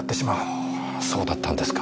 ああそうだったんですか。